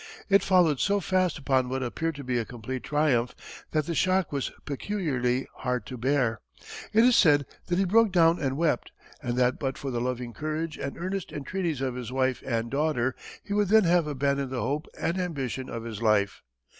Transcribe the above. It followed so fast upon what appeared to be a complete triumph that the shock was peculiarly hard to bear. It is said that he broke down and wept, and that but for the loving courage and earnest entreaties of his wife and daughter he would then have abandoned the hope and ambition of his life.